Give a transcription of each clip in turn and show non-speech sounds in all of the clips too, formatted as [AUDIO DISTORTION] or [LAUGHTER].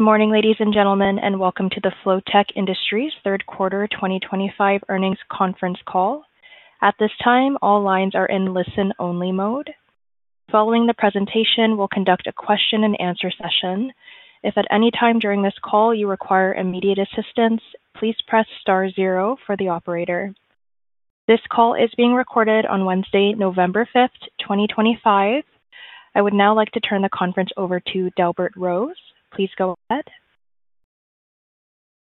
Good morning, ladies and gentlemen, and welcome to the Flotek Industries Third Quarter 2025 Earnings Conference Call. At this time, all lines are in listen-only mode. Following the presentation, we'll conduct a question-and-answer session. If at any time during this call you require immediate assistance, please press star zero for the operator. This call is being recorded on Wednesday, November 5th, 2025. I would now like to turn the conference over to Delbert Rose. Please go ahead.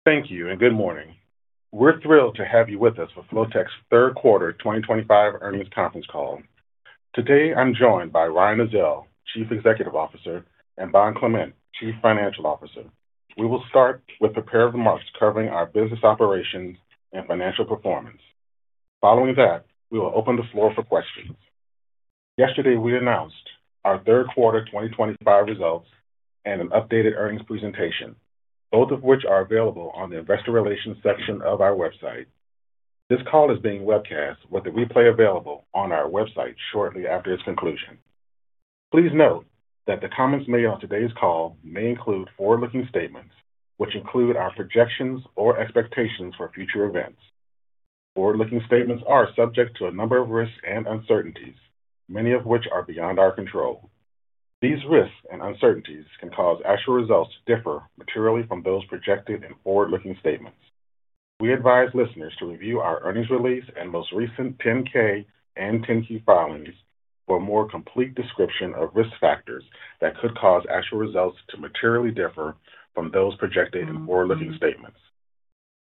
Thank you, and good morning. We're thrilled to have you with us for Flotek's third quarter 2025 earnings conference call. Today, I'm joined by Ryan Ezell, Chief Executive Officer, and Bond Clement, Chief Financial Officer. We will start with a pair of remarks covering our business operations and financial performance. Following that, we will open the floor for questions. Yesterday, we announced our Third Quarter 2025 results and an updated earnings presentation, both of which are available on the investor relations section of our website. This call is being webcast with the replay available on our website shortly after its conclusion. Please note that the comments made on today's call may include forward-looking statements, which include our projections or expectations for future events. Forward-looking statements are subject to a number of risks and uncertainties, many of which are beyond our control. These risks and uncertainties can cause actual results to differ materially from those projected in forward-looking statements. We advise listeners to review our earnings release and most recent 10-K and 10-K filings for a more complete description of risk factors that could cause actual results to materially differ from those projected in forward-looking statements.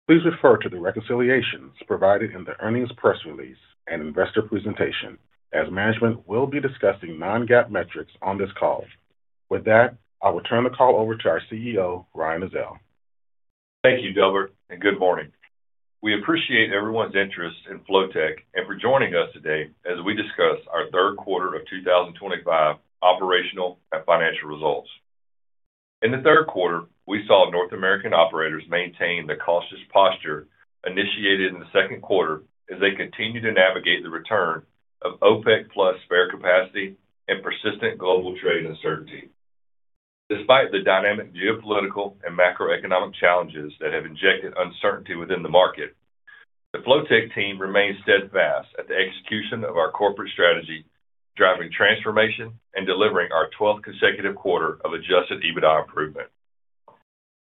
Please refer to the reconciliations provided in the earnings press release and investor presentation, as management will be discussing non-GAAP metrics on this call. With that, I will turn the call over to our CEO, Ryan Ezell. Thank you, Delbert, and good morning. We appreciate everyone's interest in Flotek and for joining us today as we discuss our third quarter of 2025 operational and financial results. In the third quarter, we saw North American operators maintain the cautious posture initiated in the second quarter as they continued to navigate the return of OPEC+ spare capacity and persistent global trade uncertainty. Despite the dynamic geopolitical and macroeconomic challenges that have injected uncertainty within the market, the Flotek team remains steadfast at the execution of our corporate strategy, driving transformation and delivering our 12th consecutive quarter of adjusted EBITDA improvement.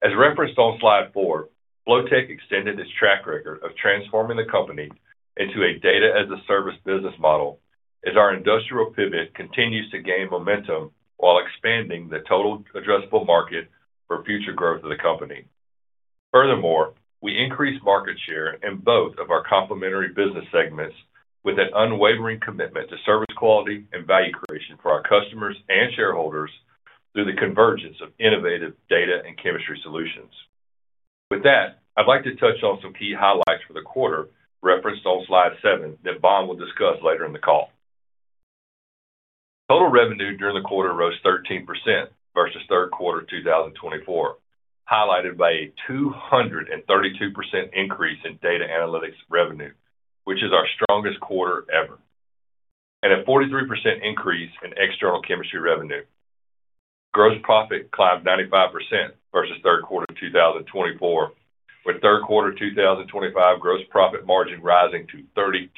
As referenced on slide 4, Flotek extended its track record of transforming the company into a data-as-a-service business model as our industrial pivot continues to gain momentum while expanding the total addressable market for future growth of the company. Furthermore, we increased market share in both of our complementary business segments with an unwavering commitment to service quality and value creation for our customers and shareholders through the convergence of innovative data and chemistry solutions. With that, I'd like to touch on some key highlights for the quarter referenced on slide 7 that Bond will discuss later in the call. Total revenue during the quarter rose 13% versus third quarter 2024, highlighted by a 232% increase in data analytics revenue, which is our strongest quarter ever. A 43% increase in external chemistry revenue. Gross profit climbed 95% versus Third Quarter 2024, with Third Quarter 2025 gross profit margin rising to 32%.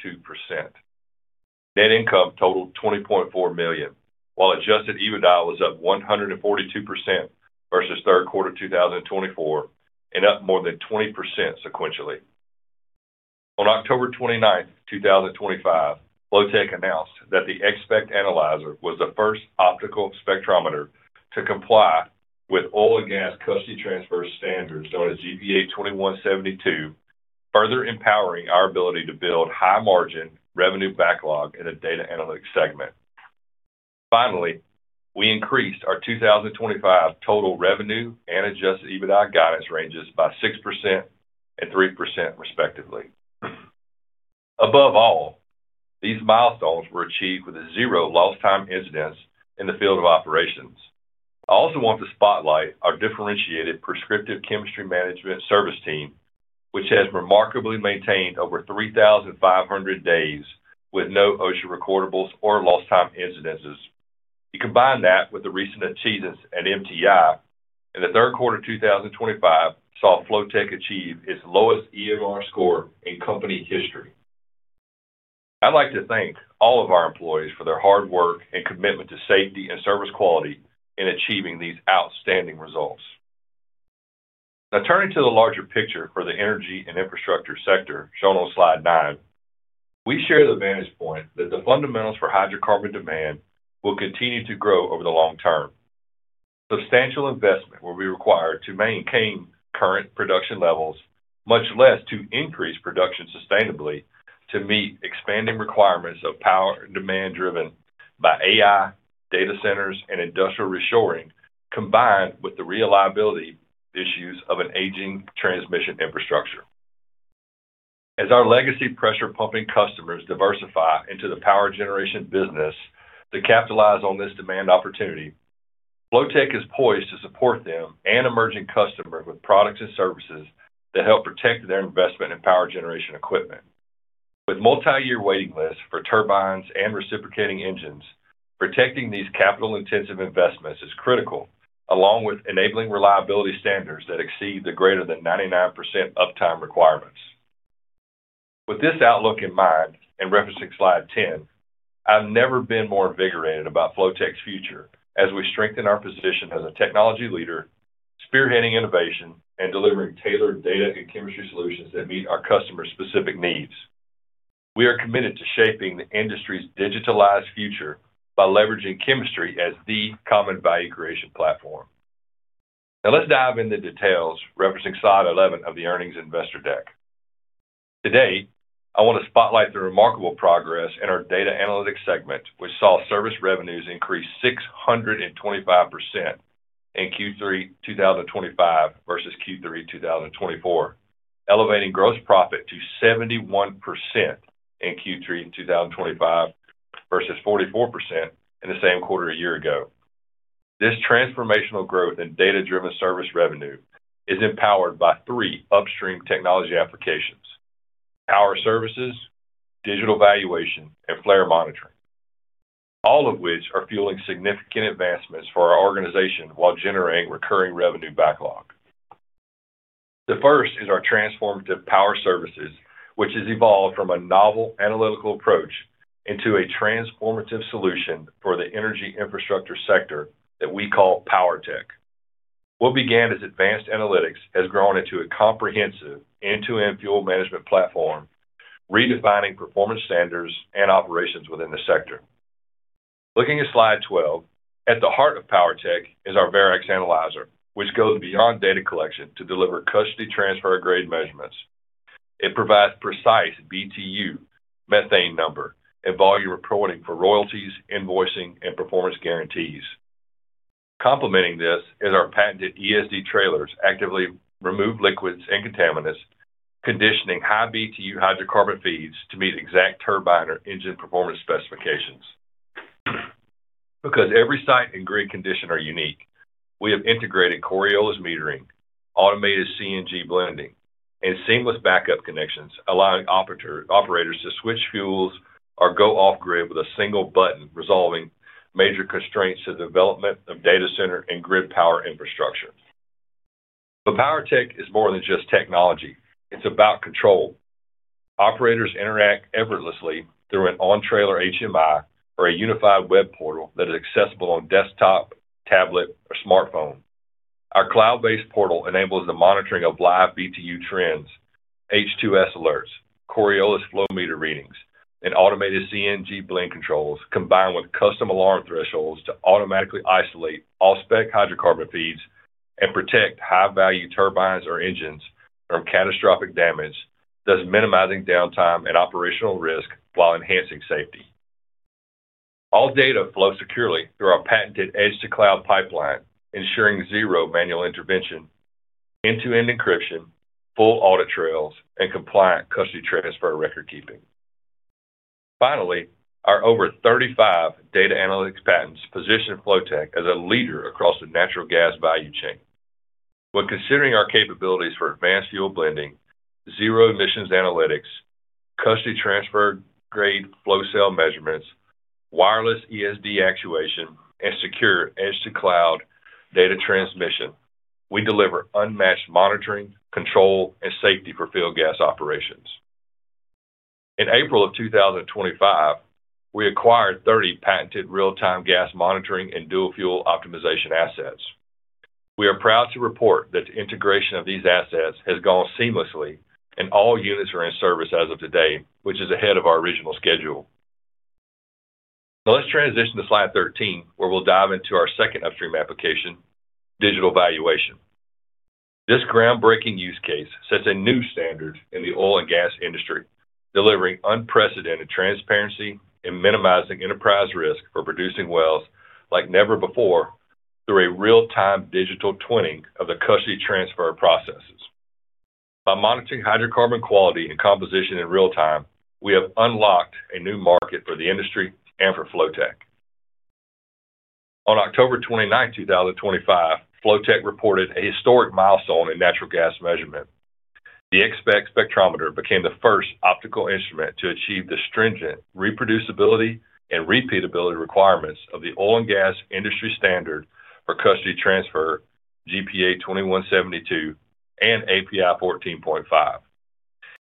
Net income totaled $20.4 million, while adjusted EBITDA was up 142% versus Third Quarter 2024 and up more than 20% sequentially. On October 29th, 2025, Flotek announced that the XSPCT Analyzer was the first optical spectrometer to comply with oil and gas custody transfer standards known as GPA 2172, further empowering our ability to build high-margin revenue backlog in the data analytics segment. Finally, we increased our 2025 total revenue and adjusted EBITDA guidance ranges by 6% and 3%, respectively. Above all, these milestones were achieved with zero lost-time incidents in the field of operations. I also want to spotlight our differentiated prescriptive chemistry management service team, which has remarkably maintained over 3,500 days with no OSHA recordables or lost-time incidences. We combine that with the recent achievements at MTI, and the third quarter 2025 saw Flotek achieve its lowest EMR score in company history. I'd like to thank all of our employees for their hard work and commitment to safety and service quality in achieving these outstanding results. Now, turning to the larger picture for the energy and infrastructure sector shown on slide 9, we share the vantage point that the fundamentals for hydrocarbon demand will continue to grow over the long term. Substantial investment will be required to maintain current production levels, much less to increase production sustainably to meet expanding requirements of power and demand driven by AI, data centers, and industrial reshoring, combined with the reliability issues of an aging transmission infrastructure. As our legacy pressure pumping customers diversify into the power generation business to capitalize on this demand opportunity, Flotek is poised to support them and emerging customers with products and services that help protect their investment in power generation equipment. With multi-year waiting lists for turbines and reciprocating engines, protecting these capital-intensive investments is critical, along with enabling reliability standards that exceed the greater than 99% uptime requirements. With this outlook in mind and referencing slide 10, I've never been more invigorated about Flotek's future as we strengthen our position as a technology leader, spearheading innovation and delivering tailored data and chemistry solutions that meet our customer-specific needs. We are committed to shaping the industry's digitalized future by leveraging chemistry as the common value creation platform. Now, let's dive into details, referencing slide 11 of the earnings investor deck. Today, I want to spotlight the remarkable progress in our data analytics segment, which saw service revenues increase 625%. In Q3 2025 versus Q3 2024, elevating gross profit to 71% in Q3 2025 versus 44% in the same quarter a year ago. This transformational growth in data-driven service revenue is empowered by three upstream technology applications: Power Services, Digital Valuation, and Flare Monitoring. All of which are fueling significant advancements for our organization while generating recurring revenue backlog. The first is our transformative Power Services, which has evolved from a novel analytical approach into a transformative solution for the energy infrastructure sector that we call PWRtek. What began as advanced analytics has grown into a comprehensive end-to-end fuel management platform, redefining performance standards and operations within the sector. Looking at slide 12, at the heart of PWRtek is our Verax Analyzer, which goes beyond data collection to deliver custody transfer grade measurements. It provides precise BTU, methane number, and volume reporting for royalties, invoicing, and performance guarantees. Complementing this is our patented ESD Trailers that actively remove liquids and contaminants, conditioning high BTU hydrocarbon feeds to meet exact turbine or engine performance specifications. Because every site and grid condition are unique, we have integrated Coriolis metering, automated CNG blending, and seamless backup connections, allowing operators to switch fuels or go off-grid with a single button, resolving major constraints to the development of data center and grid power infrastructure. PWRtek is more than just technology. It's about control. Operators interact effortlessly through an on-trailer HMI or a unified web portal that is accessible on desktop, tablet, or smartphone. Our cloud-based portal enables the monitoring of live BTU trends, H2S alerts, Coriolis flow meter readings, and automated CNG blend controls, combined with custom alarm thresholds to automatically isolate all spec hydrocarbon feeds and protect high-value turbines or engines from catastrophic damage, thus minimizing downtime and operational risk while enhancing safety. All data flows securely through our patented edge-to-cloud pipeline, ensuring zero manual intervention, end-to-end encryption, full audit trails, and compliant custody transfer record keeping. Finally, our over 35 data analytics patents position Flotek as a leader across the natural gas value chain. When considering our capabilities for advanced fuel blending, zero-emissions analytics, custody transfer grade flow cell measurements, wireless ESD actuation, and secure edge-to-cloud data transmission, we deliver unmatched monitoring, control, and safety for field gas operations. In April of 2025, we acquired 30 patented real-time gas monitoring and dual-fuel optimization assets. We are proud to report that the integration of these assets has gone seamlessly, and all units are in service as of today, which is ahead of our original schedule. Now, let's transition to slide 13, where we'll dive into our second upstream application, Digital Valuation. This groundbreaking use case sets a new standard in the oil and gas industry, delivering unprecedented transparency and minimizing enterprise risk for producing wells like never before through a real-time digital twinning of the custody transfer processes. By monitoring hydrocarbon quality and composition in real time, we have unlocked a new market for the industry and for Flotek. On October 29, 2025, Flotek reported a historic milestone in natural gas measurement. The XSPCT became the first optical instrument to achieve the stringent reproducibility and repeatability requirements of the oil and gas industry standard for custody transfer, GPA 2172, and API 14.5.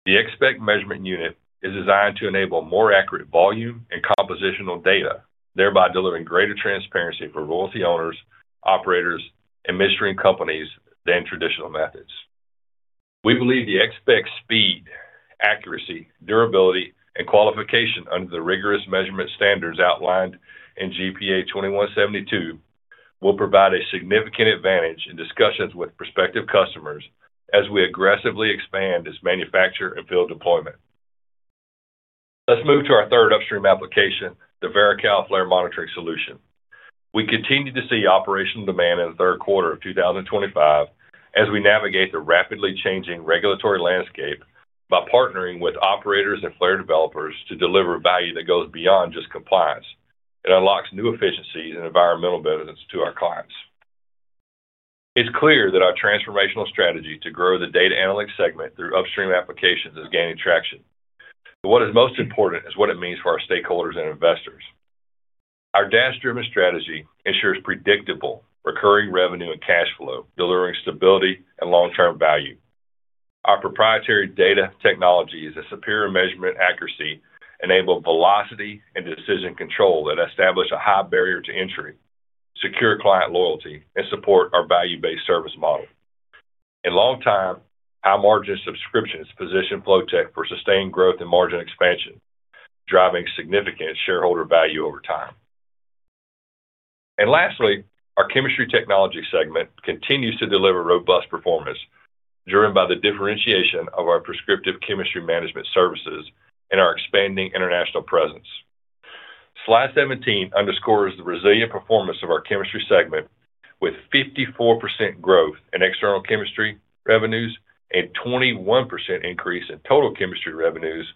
The XSPCT measurement unit is designed to enable more accurate volume and compositional data, thereby delivering greater transparency for royalty owners, operators, and midstream companies than traditional methods. We believe the XSPCT speed, accuracy, durability, and qualification under the rigorous measurement standards outlined in GPA 2172 will provide a significant advantage in discussions with prospective customers as we aggressively expand its manufacture and field deployment. Let's move to our third upstream application, the VeraCal Flare Monitoring Solution. We continue to see operational demand in the third quarter of 2025 as we navigate the rapidly changing regulatory landscape by partnering with operators and flare developers to deliver value that goes beyond just compliance. It unlocks new efficiencies and environmental benefits to our clients. It is clear that our transformational strategy to grow the data analytics segment through upstream applications is gaining traction. What is most important is what it means for our stakeholders and investors. Our dash-driven strategy ensures predictable recurring revenue and cash flow, delivering stability and long-term value. Our proprietary data technologies and superior measurement accuracy enable velocity and decision control that establish a high barrier to entry, secure client loyalty, and support our value-based service model. In long time, high-margin subscriptions position Flotek for sustained growth and margin expansion, driving significant shareholder value over time. Lastly, our chemistry technology segment continues to deliver robust performance, driven by the differentiation of our prescriptive chemistry management services and our expanding international presence. Slide 17 underscores the resilient performance of our chemistry segment, with 54% growth in external chemistry revenues and a 21% increase in total chemistry revenues,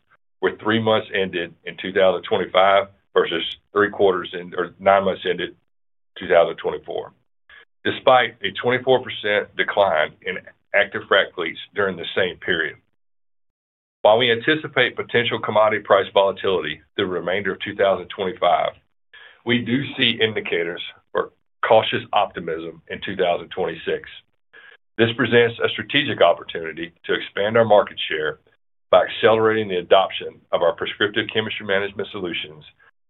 with three months ended in 2025 versus three quarters or nine months ended in 2024, despite a 24% decline in active frac fleets during the same period. While we anticipate potential commodity price volatility through the remainder of 2025, we do see indicators for cautious optimism in 2026. This presents a strategic opportunity to expand our market share by accelerating the adoption of our prescriptive chemistry management solutions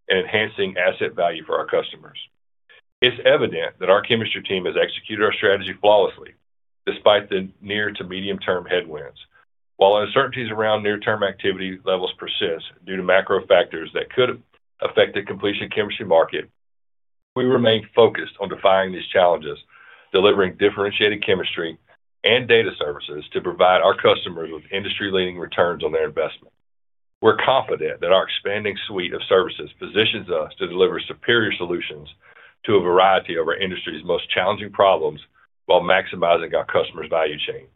and enhancing asset value for our customers. It's evident that our chemistry team has executed our strategy flawlessly, despite the near-to-medium-term headwinds. While uncertainties around near-term activity levels persist due to macro factors that could affect the completion chemistry market. We remain focused on defying these challenges, delivering differentiated chemistry and data services to provide our customers with industry-leading returns on their investment. We're confident that our expanding suite of services positions us to deliver superior solutions to a variety of our industry's most challenging problems while maximizing our customers' value chain.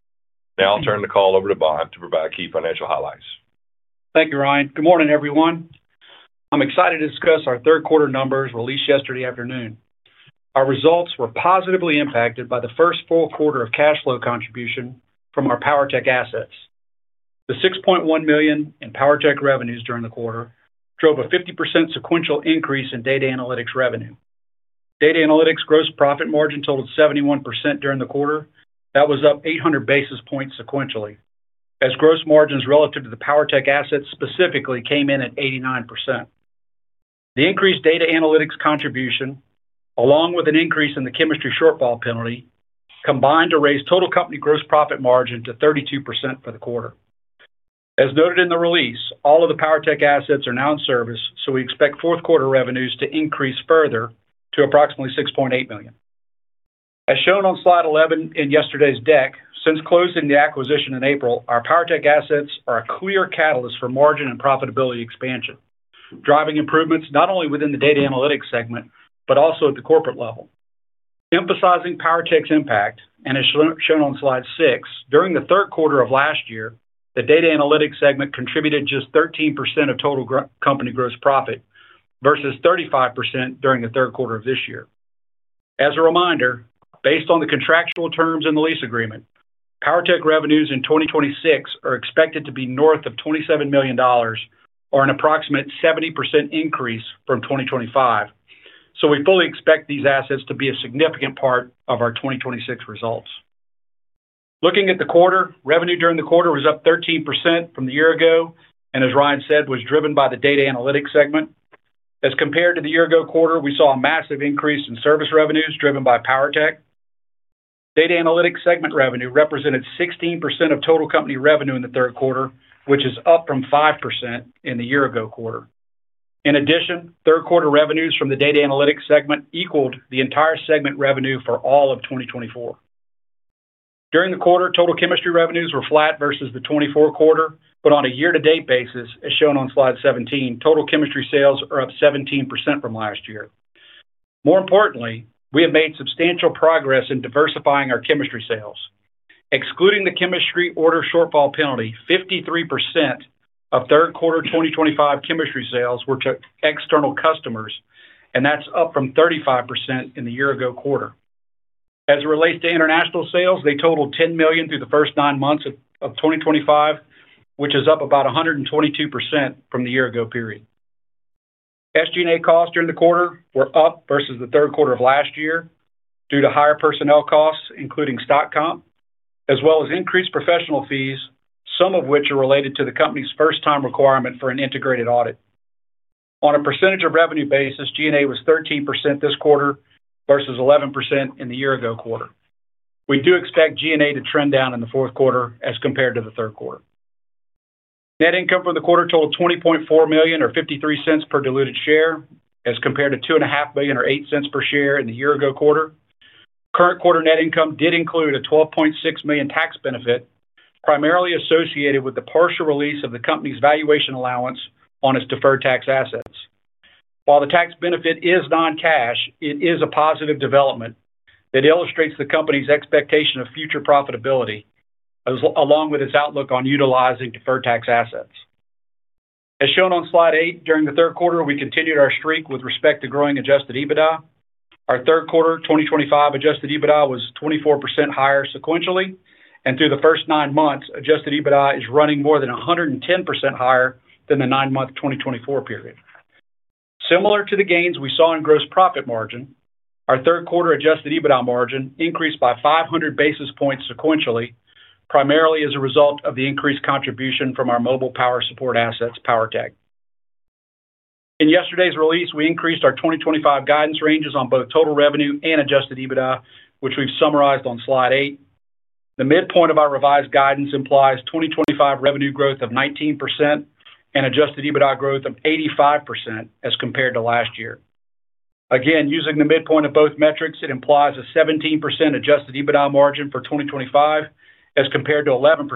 Now I'll turn the call over to Bond to provide key financial highlights. Thank you, Ryan. Good morning, everyone. I'm excited to discuss our third quarter numbers released yesterday afternoon. Our results were positively impacted by the first full quarter of cash flow contribution from our PWRtek assets. The $6.1 million in PWRtek revenues during the quarter drove a 50% sequential increase in data analytics revenue. Data analytics gross profit margin totaled 71% during the quarter. That was up 800 basis points sequentially, as gross margins relative to the PWRtek assets specifically came in at 89%. The increased data analytics contribution, along with an increase in the chemistry shortfall penalty, combined to raise total company gross profit margin to 32% for the quarter. As noted in the release, all of the PWRtek assets are now in service, so we expect fourth quarter revenues to increase further to approximately $6.8 million. As shown on slide 11 in yesterday's deck, since closing the acquisition in April, our PWRtek assets are a clear catalyst for margin and profitability expansion, driving improvements not only within the data analytics segment but also at the corporate level. Emphasizing PWRtek's impact, and as shown on slide 6, during the third quarter of last year, the data analytics segment contributed just 13% of total company gross profit versus 35% during the third quarter of this year. As a reminder, based on the contractual terms in the lease agreement, PWRtek revenues in 2026 are expected to be north of $27 million, or an approximate 70% increase from 2025. We fully expect these assets to be a significant part of our 2026 results. Looking at the quarter, revenue during the quarter was up 13% from the year ago, and as Ryan said, was driven by the data analytics segment. As compared to the year-ago quarter, we saw a massive increase in service revenues driven by PWRtek. Data analytics segment revenue represented 16% of total company revenue in the third quarter, which is up from 5% in the year-ago quarter. In addition, third quarter revenues from the data analytics segment equaled the entire segment revenue for all of 2024. During the quarter, total chemistry revenues were flat versus the 2024 quarter, but on a year-to-date basis, as shown on slide 17, total chemistry sales are up 17% from last year. More importantly, we have made substantial progress in diversifying our chemistry sales. Excluding the chemistry order shortfall penalty, 53% of third quarter 2025 chemistry sales were to external customers, and that's up from 35% in the year-ago quarter. As it relates to international sales, they totaled $10 million through the first nine months of 2025, which is up about 122% from the year-ago period. SG&A costs during the quarter were up versus the third quarter of last year due to higher personnel costs, including stock comp, as well as increased professional fees, some of which are related to the company's first-time requirement for an integrated audit. On a percentage of revenue basis, G&A was 13% this quarter versus 11% in the year-ago quarter. We do expect G&A to trend down in the fourth quarter as compared to the third quarter. Net income for the quarter totaled $20.4 million, or $0.53 per diluted share, as compared to $2.5 million, or $0.08 per share in the year-ago quarter. Current quarter net income did include a $12.6 million tax benefit, primarily associated with the partial release of the company's valuation allowance on its deferred tax assets. While the tax benefit is non-cash, it is a positive development that illustrates the company's expectation of future profitability, along with its outlook on utilizing deferred tax assets. As shown on slide 8, during the third quarter, we continued our streak with respect to growing adjusted EBITDA. Our third quarter 2025 adjusted EBITDA was 24% higher sequentially, and through the first nine months, adjusted EBITDA is running more than 110% higher than the nine-month 2024 period. Similar to the gains we saw in gross profit margin, our third quarter adjusted EBITDA margin increased by 500 basis points sequentially, primarily as a result of the increased contribution from our mobile power support assets, PWRtek. In yesterday's release, we increased our 2025 guidance ranges on both total revenue and adjusted EBITDA, which we've summarized on slide 8. The midpoint of our revised guidance implies 2025 revenue growth of 19% and adjusted EBITDA growth of 85% as compared to last year. Again, using the midpoint of both metrics, it implies a 17% adjusted EBITDA margin for 2025 as compared to 11%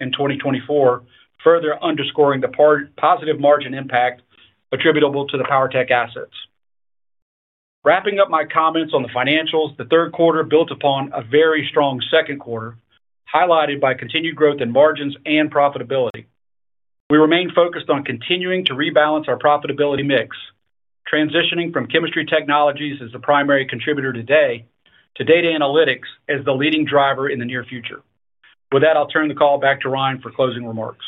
in 2024, further underscoring the positive margin impact attributable to the PWRtek assets. Wrapping up my comments on the financials, the third quarter built upon a very strong second quarter, highlighted by continued growth in margins and profitability. We remain focused on continuing to rebalance our profitability mix, transitioning from chemistry technologies as the primary contributor today to data analytics as the leading driver in the near future. With that, I'll turn the call back to Ryan for closing remarks.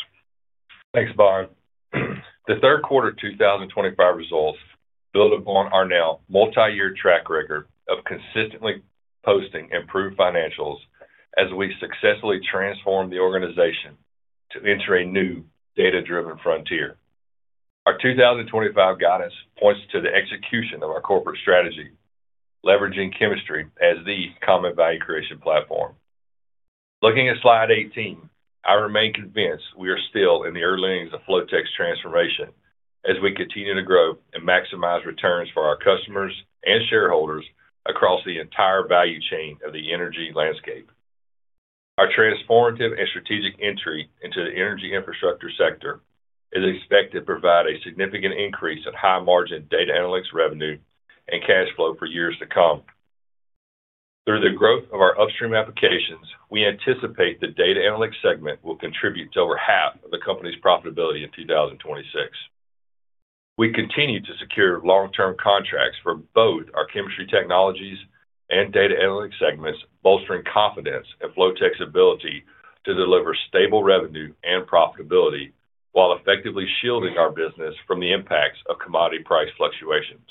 Thanks, Bond. The third quarter 2025 results build upon our now multi-year track record of consistently posting improved financials as we successfully transform the organization into a new data-driven frontier. Our 2025 guidance points to the execution of our corporate strategy, leveraging chemistry as the common value creation platform. Looking at slide 18, I remain convinced we are still in the early innings of Flotek's transformation as we continue to grow and maximize returns for our customers and shareholders across the entire value chain of the energy landscape. Our transformative and strategic entry into the energy infrastructure sector is expected to provide a significant increase in high-margin data analytics revenue and cash flow for years to come. Through the growth of our upstream applications, we anticipate the data analytics segment will contribute to over half of the company's profitability in 2026. We continue to secure long-term contracts for both our chemistry technologies and data analytics segments, bolstering confidence in Flotek's ability to deliver stable revenue and profitability while effectively shielding our business from the impacts of commodity price fluctuations.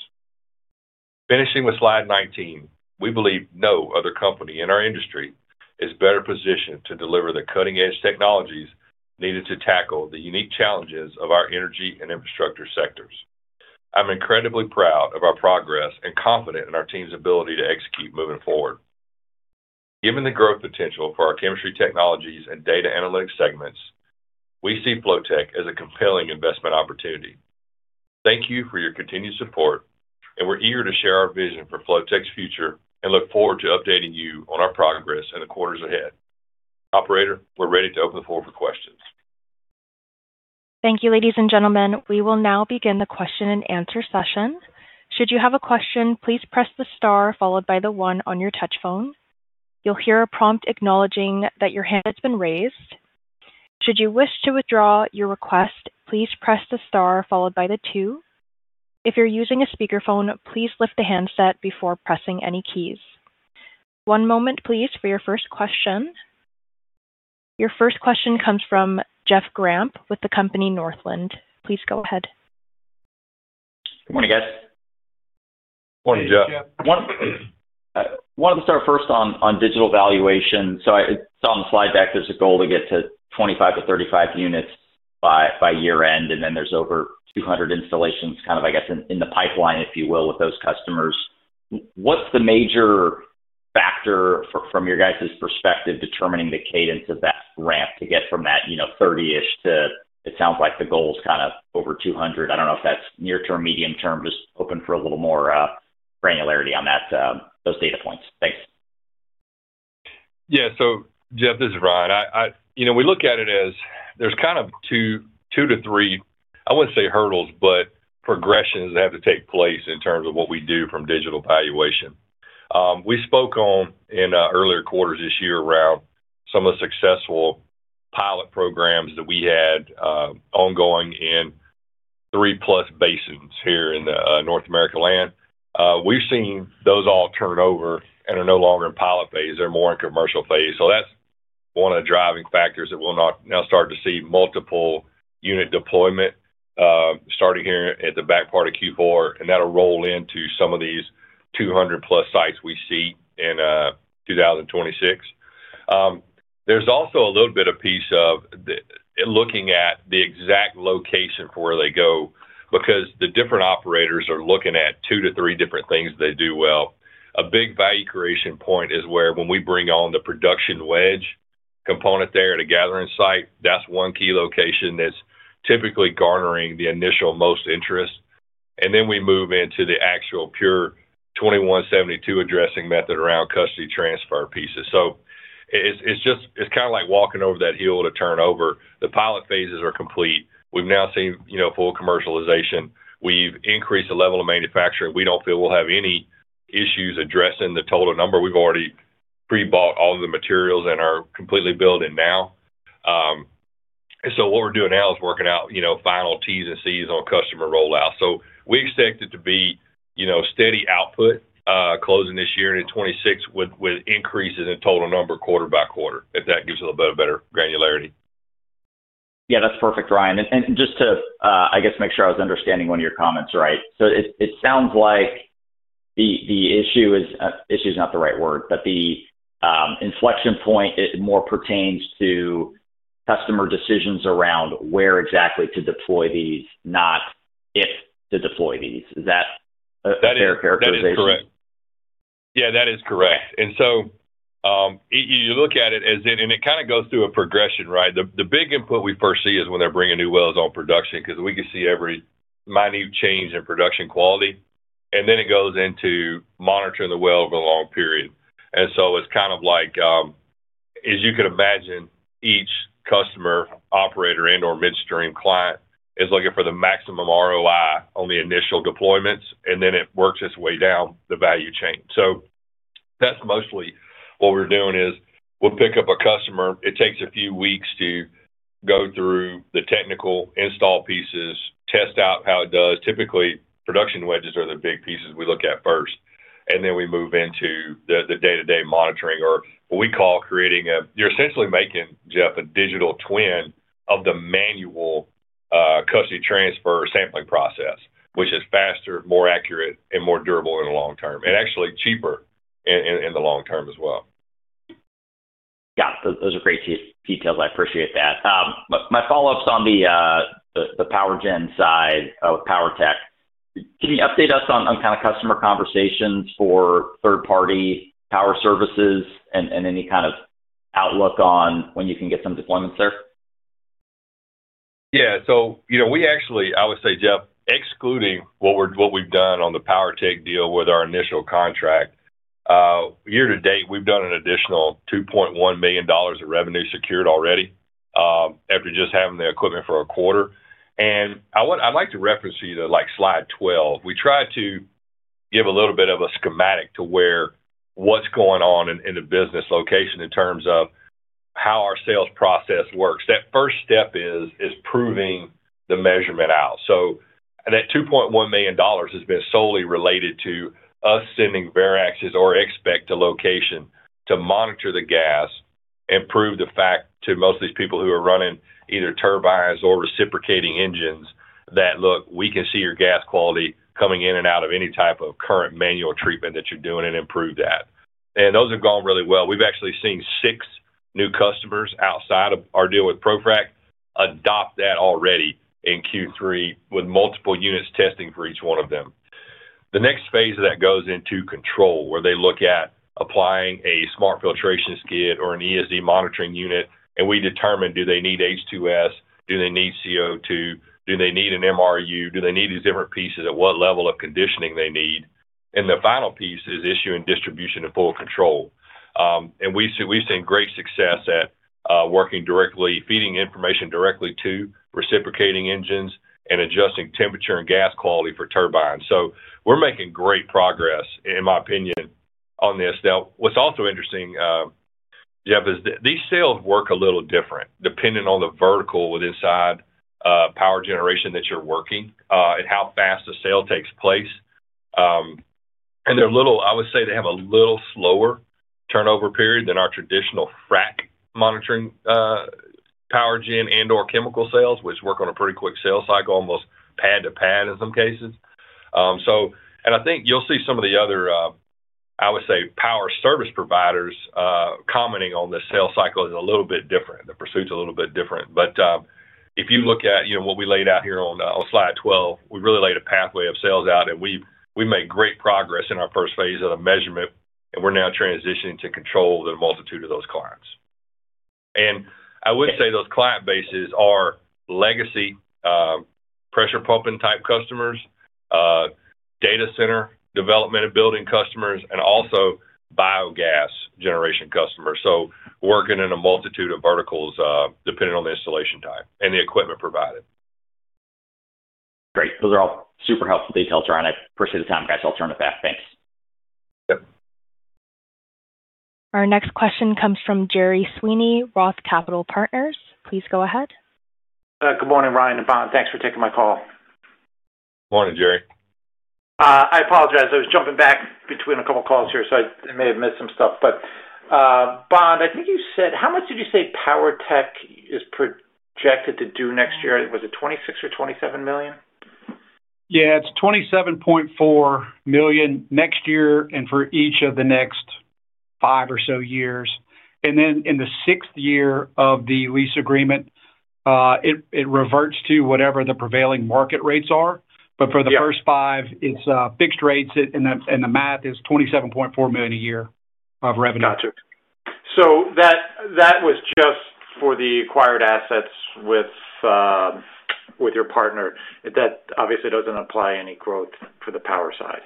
Finishing with slide 19, we believe no other company in our industry is better positioned to deliver the cutting-edge technologies needed to tackle the unique challenges of our energy and infrastructure sectors. I'm incredibly proud of our progress and confident in our team's ability to execute moving forward. Given the growth potential for our chemistry technologies and data analytics segments, we see Flotek as a compelling investment opportunity. Thank you for your continued support, and we're eager to share our vision for Flotek's future and look forward to updating you on our progress in the quarters ahead. Operator, we're ready to open the floor for questions. Thank you, ladies and gentlemen. We will now begin the question-and-answer session. Should you have a question, please press the star followed by the one on your touch phone. You'll hear a prompt acknowledging that your hand has been raised. Should you wish to withdraw your request, please press the star followed by the two. If you're using a speakerphone, please lift the handset before pressing any keys. One moment, please, for your first question. Your first question comes from Jeff Grampp with the company Northland. Please go ahead. Good morning, guys. Morning, Jeff. I wanted to start first on Digital Valuation. So I saw on the slide deck there's a goal to get to 25-35 units by year-end, and then there's over 200 installations, kind of, I guess, in the pipeline, if you will, with those customers. What's the major factor from your guys' perspective determining the cadence of that ramp to get from that 30-ish to, it sounds like, the goal is kind of over 200? I don't know if that's near-term, medium-term. Just open for a little more granularity on those data points. Thanks. Yeah. Jeff, this is Ryan. We look at it as there's kind of two to three, I wouldn't say hurdles, but progressions that have to take place in terms of what we do from Digital Valuation. We spoke on in earlier quarters this year around some of the successful pilot programs that we had ongoing in three-plus basins here in the North American land. We've seen those all turn over and are no longer in pilot phase. They're more in commercial phase. That's one of the driving factors that we'll now start to see multiple unit deployment starting here at the back part of Q4, and that'll roll into some of these 200+ sites we see in 2026. There's also a little bit of a piece of. Looking at the exact location for where they go because the different operators are looking at two to three different things they do well. A big value creation point is where when we bring on the production wedge component there at a gathering site, that's one key location that's typically garnering the initial most interest. We move into the actual pure 2172 addressing method around custody transfer pieces. It's kind of like walking over that hill to turn over. The pilot phases are complete. We've now seen full commercialization. We've increased the level of manufacturing. We don't feel we'll have any issues addressing the total number. We've already pre-bought all of the materials and are completely building now. What we're doing now is working out final Ts and Cs on customer rollout. We expect it to be steady output closing this year into 2026 with increases in total number quarter by quarter, if that gives you a little bit of better granularity. Yeah, that's perfect, Ryan. And just to, I guess, make sure I was understanding one of your comments, right? It sounds like the issue is—issue is not the right word—but the inflection point more pertains to customer decisions around where exactly to deploy these, not if to deploy these. Is that a fair characterization? That is correct. Yeah, that is correct. You look at it as in, and it kind of goes through a progression, right? The big input we first see is when they're bringing new wells on production because we can see every minute change in production quality. Then it goes into monitoring the well over a long period. It is kind of like, as you can imagine, each customer, operator, and/or midstream client is looking for the maximum ROI on the initial deployments, and then it works its way down the value chain. That is mostly what we are doing. We will pick up a customer. It takes a few weeks to go through the technical install pieces, test out how it does. Typically, production wedges are the big pieces we look at first, and then we move into the day-to-day monitoring or what we call creating a—you are essentially making, Jeff, a digital twin of the manual custody transfer sampling process, which is faster, more accurate, and more durable in the long term, and actually cheaper in the long term as well. Yeah. Those are great details. I appreciate that. My follow-up is on the PowerGen side with PWRtek. Can you update us on kind of customer conversations for third-party power services and any kind of outlook on when you can get some deployments there? Yeah. I would say, Jeff, excluding what we've done on the PWRtek deal with our initial contract. Year to date, we've done an additional $2.1 million of revenue secured already after just having the equipment for a quarter. I'd like to reference you to slide 12. We tried to give a little bit of a schematic to where what's going on in the business location in terms of how our sales process works. That first step is proving the measurement out. That $2.1 million has been solely related to us sending Veraxes or XSPCT to location to monitor the gas and prove the fact to most of these people who are running either turbines or reciprocating engines that, "Look, we can see your gas quality coming in and out of any type of current manual treatment that you're doing and improve that." Those have gone really well. We've actually seen six new customers outside of our deal with ProFrac adopt that already in Q3 with multiple units testing for each one of them. The next phase of that goes into control, where they look at applying a Smart Filtration Skid or an ESD monitoring unit, and we determine do they need H2S, do they need CO2, do they need an MRU, do they need these different pieces, at what level of conditioning they need. The final piece is issuing distribution and full control. We've seen great success at working directly, feeding information directly to reciprocating engines and adjusting temperature and gas quality for turbines. We're making great progress, in my opinion, on this. What's also interesting, Jeff, is that these sales work a little different depending on the vertical within power generation that you're working and how fast a sale takes place. I would say they have a little slower turnover period than our traditional frac monitoring, Power Gen, and/or chemical sales, which work on a pretty quick sales cycle, almost pad to pad in some cases. I think you'll see some of the other, I would say, power service providers commenting on the sales cycle is a little bit different. The pursuit's a little bit different. If you look at what we laid out here on slide 12, we really laid a pathway of sales out, and we made great progress in our first phase of the measurement, and we're now transitioning to control the multitude of those clients. I would say those client bases are legacy pressure pumping type customers, data center development and building customers, and also biogas generation customers. Working in a multitude of verticals depending on the installation type and the equipment provided. Great. Those are all super helpful details, Ryan. I appreciate the time, guys. I'll turn it back. Thanks. Yep. Our next question comes from Gerry Sweeney, Roth Capital Partners. Please go ahead. Good morning, Ryan and Bond. Thanks for taking my call. Morning, Gerry. I apologize. I was jumping back between a couple of calls here, so I may have missed some stuff. Bond, I think you said how much did you say PWRtek is projected to do next year? Was it $26 million or $27 million? Yeah. It's $27.4 million next year and for each of the next five or so years. In the sixth year of the lease agreement, it reverts to whatever the prevailing market rates are. For the first five, it's fixed rates, and the math is $27.4 million a year of revenue. Got it. That was just for the acquired assets with your partner. That obviously doesn't apply any growth for the power side.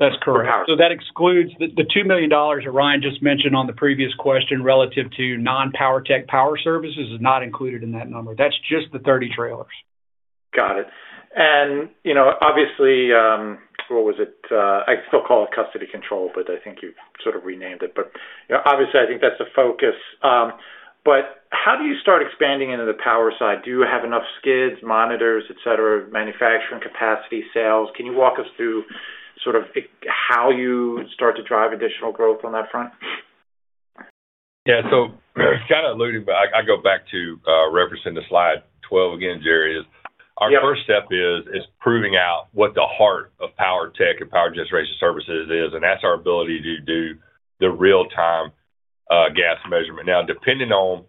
That's correct. That excludes the $2 million that Ryan just mentioned on the previous question relative to non-PWRtek power services, which is not included in that number. That's just the 30 trailers. Got it. Obviously. What was it? I still call it custody control, but I think you've sort of renamed it. Obviously, I think that's the focus. How do you start expanding into the power side? Do you have enough skids, monitors, etc., manufacturing capacity, sales? Can you walk us through sort of how you start to drive additional growth on that front? Yeah. Kind of alluding, but I go back to referencing slide 12 again, Gerry, our first step is proving out what the heart of PWRtek and power generation services is. That's our ability to do the real-time gas measurement. Now, depending on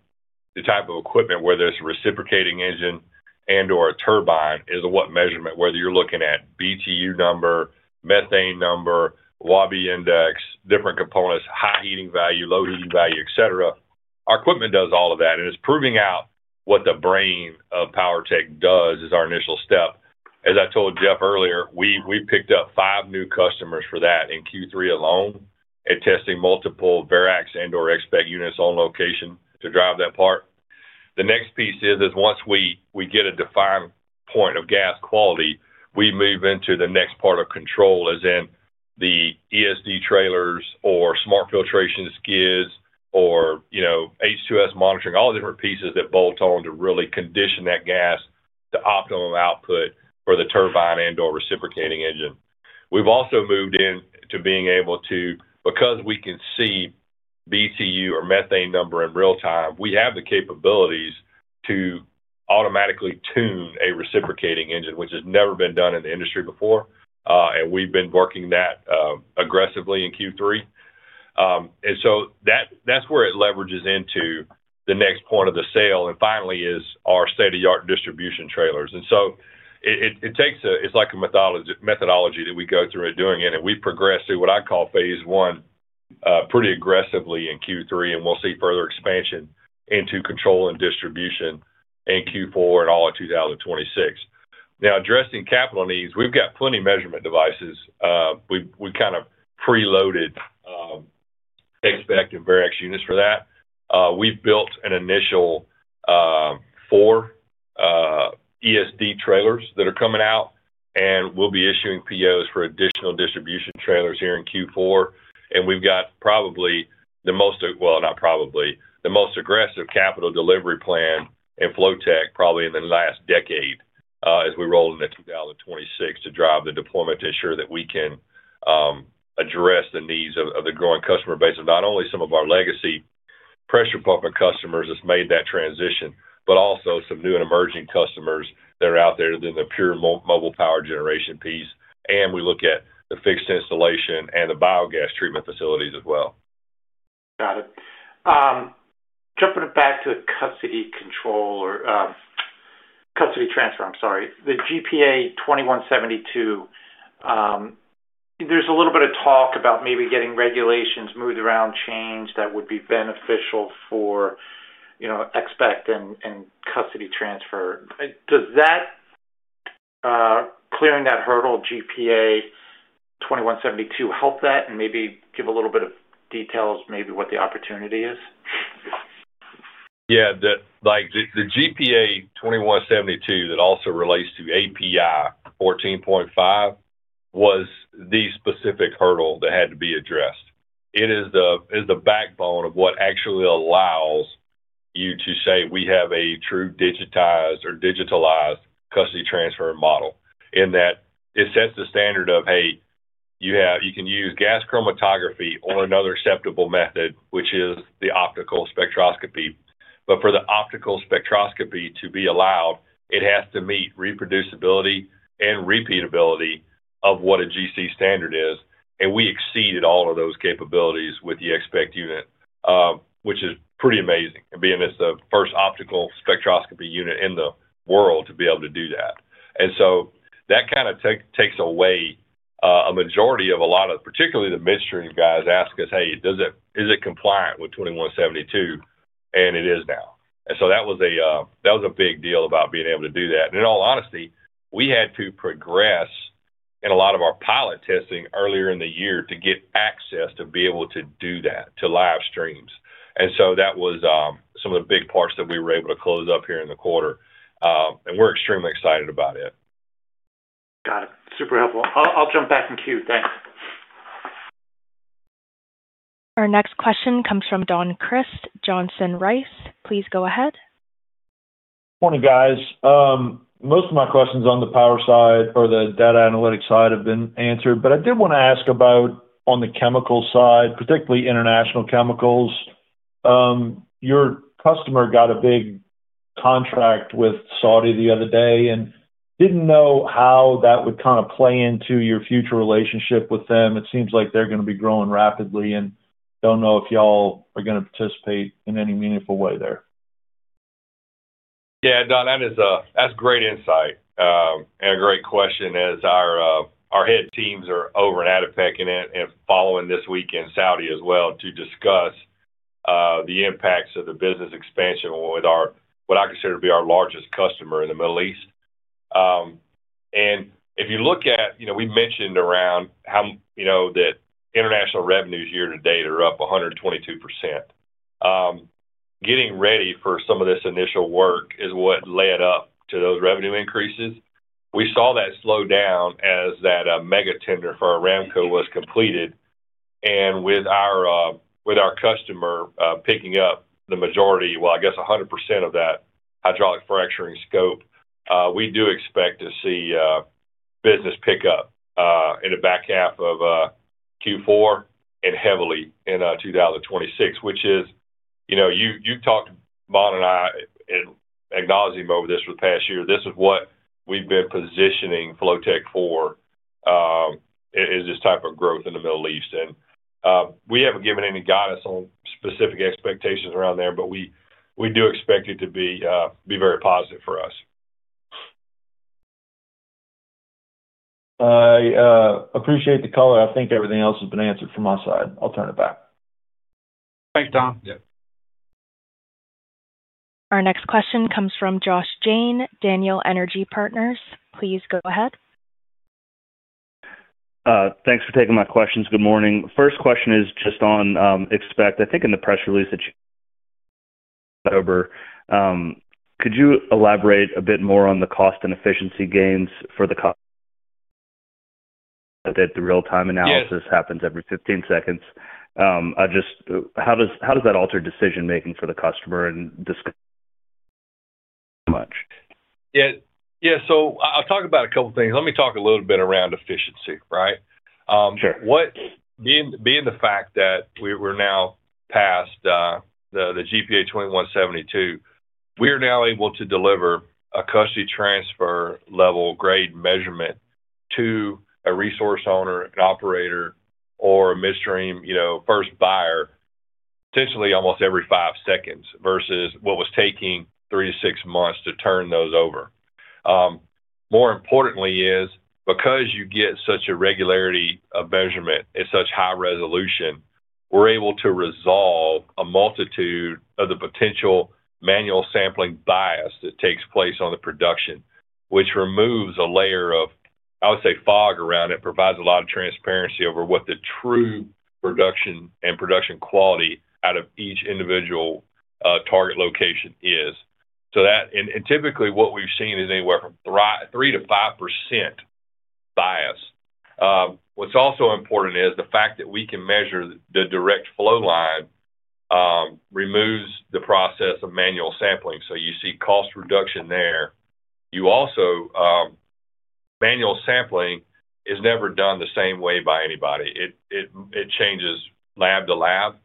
the type of equipment, whether it's a reciprocating engine and/or a turbine, is what measurement, whether you're looking at BTU number, methane number, Wobbe index, different components, high heating value, low heating value, etc., our equipment does all of that. It is proving out what the brain of PowerTech does as our initial step. As I told Jeff earlier, we picked up five new customers for that in Q3 alone and are testing multiple Verax and/or XSPCT units on location to drive that part. The next piece is once we get a defined point of gas quality, we move into the next part of control, as in the ESD trailers or smart filtration skids or H2S monitoring, all different pieces that bolt on to really condition that gas to optimum output for the turbine and/or reciprocating engine. We have also moved into being able to, because we can see BTU or methane number in real time, we have the capabilities to automatically tune a reciprocating engine, which has never been done in the industry before. We have been working that aggressively in Q3. That is where it leverages into the next point of the sale. Finally, our state-of-the-art distribution trailers. It takes a—it is like a methodology that we go through doing it. We progress through what I call phase one pretty aggressively in Q3, and we will see further expansion into control and distribution in Q4 and all of 2026. Now, addressing capital needs, we have got plenty of measurement devices. We kind of preloaded XSPCT and Verax units for that. We have built an initial four ESD trailers that are coming out, and we will be issuing POs for additional distribution trailers here in Q4. We have got probably the most—well, not probably—the most aggressive capital delivery plan in Flotek probably in the last decade as we roll into 2026 to drive the deployment to ensure that we can. Address the needs of the growing customer base of not only some of our legacy pressure pumping customers that's made that transition, but also some new and emerging customers that are out there than the pure mobile power generation piece. We look at the fixed installation and the biogas treatment facilities as well. Got it. Jumping it back to the custody control. -- Custody Transfer, I'm sorry, the GPA 2172. There's a little bit of talk about maybe getting regulations moved around, change that would be beneficial for XSPCT and Custody Transfer. Does that, clearing that hurdle, GPA 2172, help that and maybe give a little bit of details, maybe what the opportunity is? Yeah. The GPA 2172, that also relates to API 14.5, was the specific hurdle that had to be addressed. It is the backbone of what actually allows you to say, "We have a true digitized or digitalized Custody Transfer model," in that it sets the standard of, "Hey, you can use gas chromatography or another acceptable method, which is the optical spectroscopy." For the optical spectroscopy to be allowed, it has to meet reproducibility and repeatability of what a GC standard is. We exceeded all of those capabilities with the XSPCT unit, which is pretty amazing, being it's the first optical spectroscopy unit in the world to be able to do that. That kind of takes away. A majority of a lot of, particularly the midstream guys ask us, "Hey, is it compliant with 2172?" It is now. That was a big deal about being able to do that. In all honesty, we had to progress. In a lot of our pilot testing earlier in the year to get access to be able to do that to live streams. That was some of the big parts that we were able to close up here in the quarter. We are extremely excited about it. Got it. Super helpful. I'll jump back in queue. Thanks. Our next question comes from Don Crist Johnson Rice. Please go ahead. Morning, guys. Most of my questions on the power side or the data analytics side have been answered. I did want to ask about on the chemical side, particularly international chemicals. Your customer got a big contract with Saudi the other day and didn't know how that would kind of play into your future relationship with them. It seems like they're going to be growing rapidly and don't know if y'all are going to participate in any meaningful way there. Yeah. No, that's great insight. And a great question as our head teams are over in ADIPEC and following this week in Saudi as well to discuss the impacts of the business expansion with what I consider to be our largest customer in the Middle East. If you look at, we mentioned around that international revenues year to date are up 122%. Getting ready for some of this initial work is what led up to those revenue increases. We saw that slow down as that mega tender for Aramco was completed. With our customer picking up the majority, well, I guess 100% of that hydraulic fracturing scope, we do expect to see business pick up in the back half of. Q4 and heavily in 2026, which is. You talked to Bond and I. And acknowledging over this for the past year. This is what we've been positioning Flotek for. Is this type of growth in the Middle East. We haven't given any guidance on specific expectations around there, but we do expect it to be very positive for us. I appreciate the call, and I think everything else has been answered from my side. I'll turn it back. Thanks, Don. Yeah. Our next question comes from Josh Jayne, Daniel Energy Partners. Please go ahead. Thanks for taking my questions. Good morning. First question is just on XSPCT. I think in the press release that you sent over. Could you elaborate a bit more on the cost and efficiency gains for the customer? That the real-time analysis happens every 15 seconds. How does that alter decision-making for the customer and [AUDIO DISTORTION] Much? Yeah. I'll talk about a couple of things. Let me talk a little bit around efficiency, right? Sure. Being the fact that we're now past the GPA 2172, we are now able to deliver a custody transfer-level grade measurement to a resource owner, an operator, or a midstream first buyer potentially almost every five seconds versus what was taking three to six months to turn those over. More importantly is, because you get such a regularity of measurement at such high resolution, we're able to resolve a multitude of the potential manual sampling bias that takes place on the production, which removes a layer of, I would say, fog around it, provides a lot of transparency over what the true production and production quality out of each individual target location is. Typically, what we've seen is anywhere from 3%-5% bias. What's also important is the fact that we can measure the direct flow line. Removes the process of manual sampling. You see cost reduction there. Manual sampling is never done the same way by anybody. It changes lab to lab.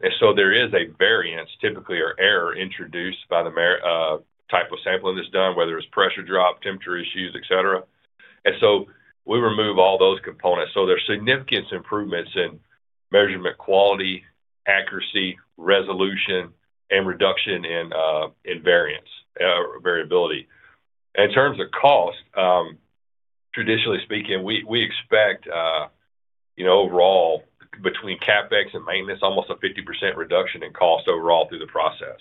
There is a variance, typically or error, introduced by the type of sampling that's done, whether it's pressure drop, temperature issues, etc. We remove all those components. There are significant improvements in measurement quality, accuracy, resolution, and reduction in variability. In terms of cost, traditionally speaking, we expect overall, between CapEx and maintenance, almost a 50% reduction in cost overall through the process.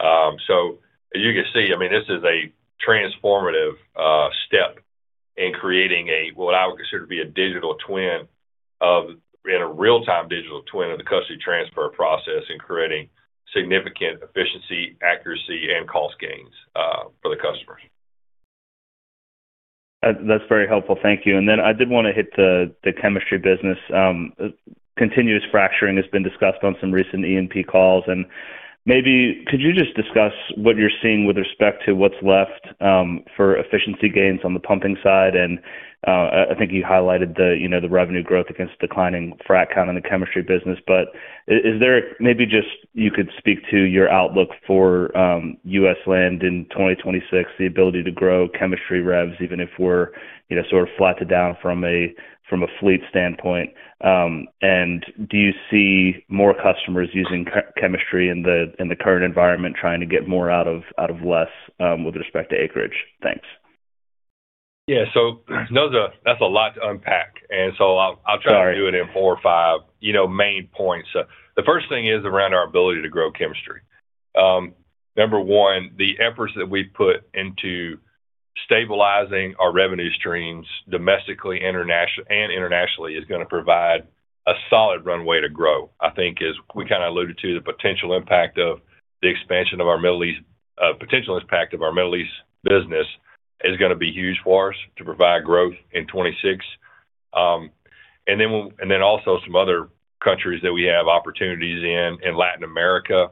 As you can see, I mean, this is a transformative step in creating what I would consider to be a digital twin of, in a real-time digital twin of the custody transfer process and creating significant efficiency, accuracy, and cost gains for the customers. That's very helpful. Thank you. I did want to hit the chemistry business. Continuous fracturing has been discussed on some recent E&P calls. Maybe could you just discuss what you're seeing with respect to what's left for efficiency gains on the pumping side? I think you highlighted the revenue growth against declining frac count in the chemistry business. Is there maybe just you could speak to your outlook for U.S. land in 2026, the ability to grow chemistry revs, even if we're sort of flat to down from a fleet standpoint? Do you see more customers using chemistry in the current environment trying to get more out of less with respect to acreage? Thanks. Yeah, that's a lot to unpack. I'll try to do it in four or five main points. The first thing is around our ability to grow chemistry. Number one, the efforts that we put into stabilizing our revenue streams domestically and internationally is going to provide a solid runway to grow. I think, as we kind of alluded to, the potential impact of the expansion of our Middle East, potential impact of our Middle East business is going to be huge for us to provide growth in 2026. Also, some other countries that we have opportunities in, in Latin America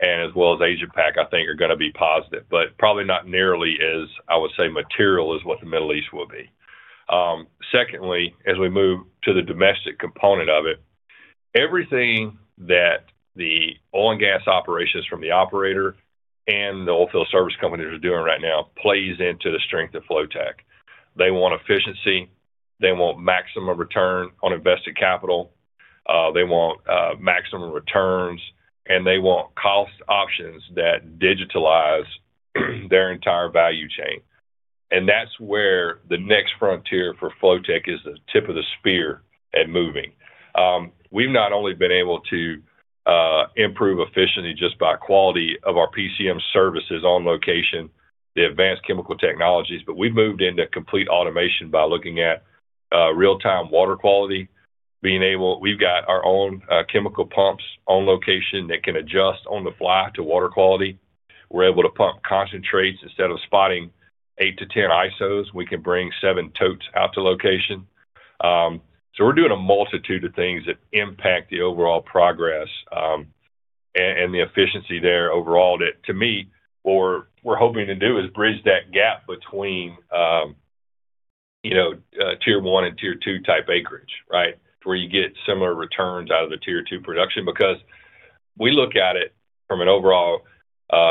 and as well as Asia-Pacific, I think, are going to be positive, but probably not nearly as, I would say, material as what the Middle East will be. Secondly, as we move to the domestic component of it, everything that the oil and gas operations from the operator and the oilfield service companies are doing right now plays into the strength of Flotek. They want efficiency. They want maximum return on invested capital. They want maximum returns, and they want cost options that digitalize their entire value chain. That is where the next frontier for Flotek is the tip of the spear at moving. We have not only been able to improve efficiency just by quality of our PCM services on location, the advanced chemical technologies, but we have moved into complete automation by looking at. Real-time water quality. We've got our own chemical pumps on location that can adjust on the fly to water quality. We're able to pump concentrates. Instead of spotting 8 to 10 ISOs, we can bring 7 totes out to location. We're doing a multitude of things that impact the overall progress. The efficiency there overall that, to me, we're hoping to do is bridge that gap between tier one and tier two type acreage, right, where you get similar returns out of the tier-2 production. Because we look at it from an overall